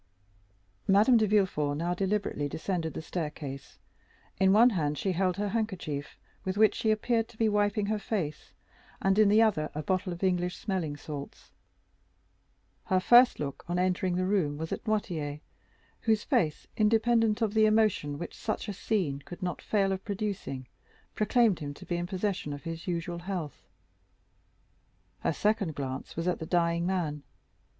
Madame de Villefort now deliberately descended the staircase. In one hand she held her handkerchief, with which she appeared to be wiping her face, and in the other a bottle of English smelling salts. Her first look on entering the room was at Noirtier, whose face, independent of the emotion which such a scene could not fail of producing, proclaimed him to be in possession of his usual health; her second glance was at the dying man.